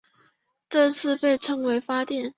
这被称为发电。